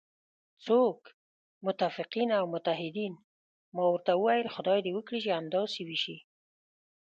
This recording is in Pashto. څوک؟ متفقین او متحدین، ما ورته وویل: خدای دې وکړي چې همداسې وشي.